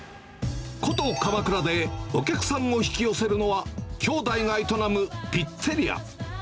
こと、鎌倉で、お客さんを引き寄せるのは、兄弟が営むピッツェリア。